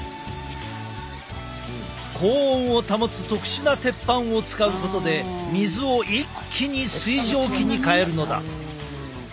高温を保つ特殊な鉄板を使うことで水を一気に水蒸気に変えるのだ。